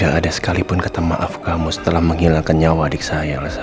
ya ada sekalipun kata maaf kamu setelah menghilangkan nyawa adik saya